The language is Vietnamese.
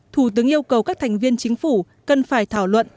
thủ tướng yêu cầu các thành viên chính phủ cần phải thảo luận